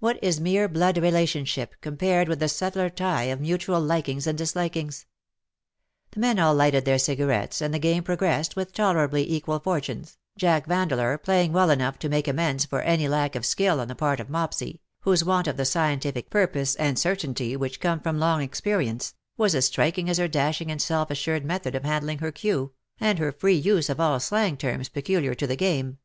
What is mere blood relationship compared with the subtler tie of mutual likings and dislikings ? The men all lighted their cigarettes, and the game progressed with tolerably equal fortunes, Jack Vandeleur playing well enough to make amends for any lack of skill on the part of Mopsy, whose want of the scientific purpose and certainty which come from long experience, was as striking as her dashiug and self assured method of handling her cue, and her free use of all slang terms peculiar to the game.